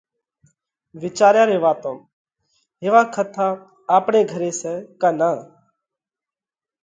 وِيچاريا ري واتون هيوا کٿا آپڻي گھري سئہ ڪا نان؟